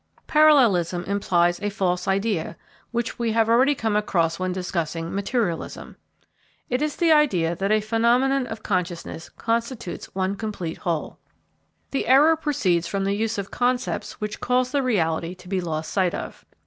Parallelism implies a false idea, which we have already come across when discussing materialism. It is the idea that a phenomenon of consciousness constitutes one complete whole. The error proceeds from the use of concepts which cause the reality to be lost sight of.